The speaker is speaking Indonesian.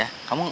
aku kena pergi